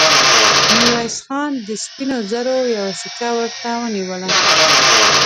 ميرويس خان د سپينو زرو يوه سيکه ورته ونيوله.